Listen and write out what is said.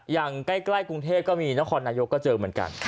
อย่างใกล้กรุงเทพก็มีนครนายกก็เจอเหมือนกัน